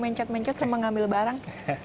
mencet mencet sama ngambil barang